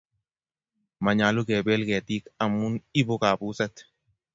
Manyolu kebel ketig amun ibu kabuset.